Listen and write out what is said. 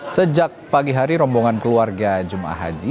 sejak pagi hari rombongan keluarga jemaah haji